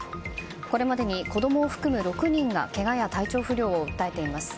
これまでに子供を含む６人がけがや体調不良を訴えています。